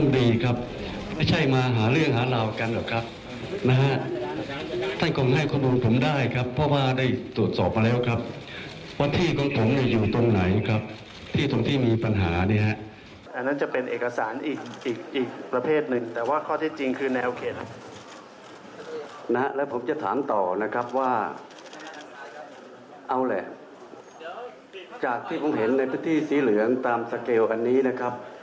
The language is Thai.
นะครับว่าเอาแหละจากที่ผมเห็นในพื้นที่สีเหลืองตามสเกลอันนี้นะครับ